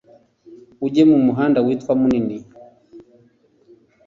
ujye mu muhanda witwa munini